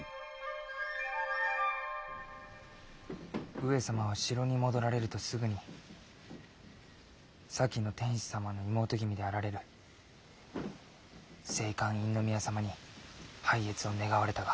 上様は城に戻られるとすぐに先の天子様の妹君であられる静寛院宮様に拝謁を願われたが。